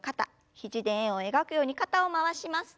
肘で円を描くように肩を回します。